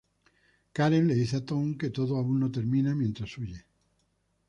Karen le dice a Tom que todo aún no termina mientras huye.